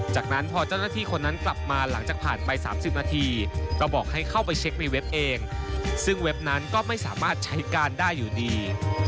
จากนั้นพอเจ้าหน้าที่คนนั้นกลับมาหลังจากผ่านไป๓๐นาทีก็บอกให้เข้าไปเช็คในเว็บเองซึ่งเว็บนั้นก็ไม่สามารถใช้การได้อยู่ดี